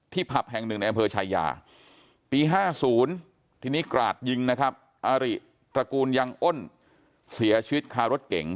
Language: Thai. ผับแห่งหนึ่งในอำเภอชายาปี๕๐ทีนี้กราดยิงนะครับอาริตระกูลยังอ้นเสียชีวิตคารถเก๋ง